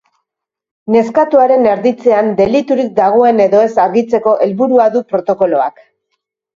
Neskatoaren erditzean deliturik dagoen edo ez argitzeko helburua du protokoloak.